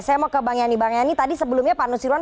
saya mau ke bang yani bang yani tadi sebelumnya pak nusirwan